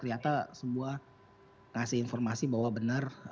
ternyata semua ngasih informasi bahwa benar